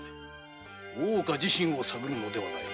大岡自身を探るのではない。